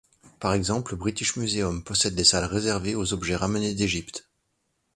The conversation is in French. Par exemple, le British Museum possède des salles réservées aux objets ramenés d'Égypte.